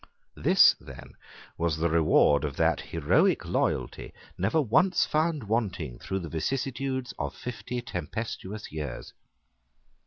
This then was the reward of that heroic loyalty never once found wanting through the vicissitudes of fifty tempestuous years.